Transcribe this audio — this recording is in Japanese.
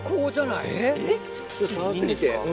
いいんですか。